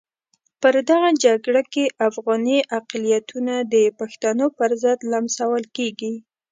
په دغه جګړه کې افغاني اقلیتونه د پښتنو پرضد لمسول کېږي.